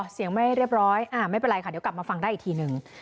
เสียงไม่เรียบร้อยไม่เป็นไรค่ะเดี๋ยวกลับมาฟังได้อีกทีหนึ่ง